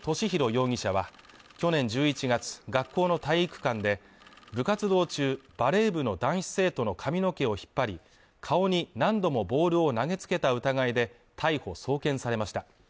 容疑者は去年１１月、学校の体育館で、部活動中、バレー部の男子生徒の髪の毛を引っ張り、顔に何度もボールを投げつけた疑いで逮捕・送検されました。